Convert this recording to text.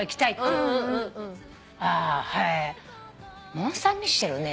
モンサンミッシェルね。